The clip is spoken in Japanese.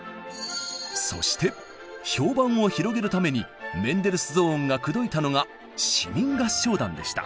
そして評判を広げるためにメンデルスゾーンが口説いたのが市民合唱団でした。